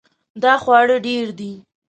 دا خواړه ډیر دي